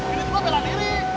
ini juga beda diri